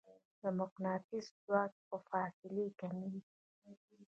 د مقناطیس ځواک په فاصلې کمېږي.